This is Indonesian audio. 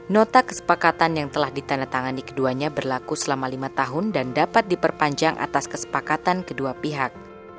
nota kesepakatan yang telah ditandatangani keduanya berlaku selama lima tahun dan dapat diperpanjang atas kesepakatan kedua pihak